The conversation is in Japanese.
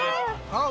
ああ